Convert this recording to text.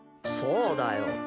そうだよ。